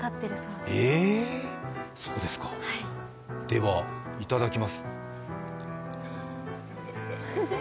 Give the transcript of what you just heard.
ではいただきます。